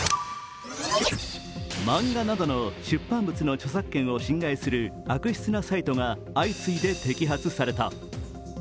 漫画などの出版物の著作権を侵害する悪質なサイトが相次いで摘発された。